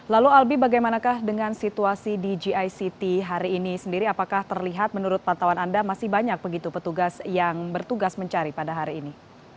lalu albi bagaimanakah dengan situasi di gict hari ini sendiri apakah terlihat menurut pantauan anda masih banyak begitu petugas yang bertugas mencari pada hari ini